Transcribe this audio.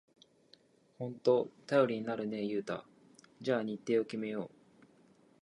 ほんと頼りになるね、ユウタ。じゃあ日程を決めよう！